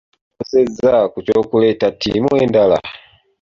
Olowoozezza ku ky'okuleeta ttiimu endala?